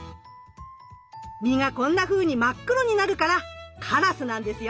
実がこんなふうに真っ黒になるからカラスなんですよ。